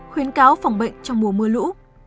khuyến cáo phòng bệnh trong mùa mưa lũ